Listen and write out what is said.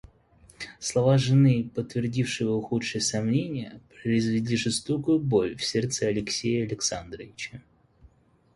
Слова жены, подтвердившие его худшие сомнения, произвели жестокую боль в сердце Алексея Александровича.